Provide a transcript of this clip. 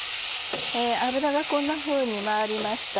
油がこんなふうに回りました。